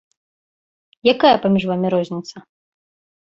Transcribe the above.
Якая паміж вамі розніца?